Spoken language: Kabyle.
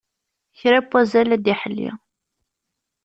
Kra n wazal ad d-iḥelli.